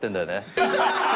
ハハハハ！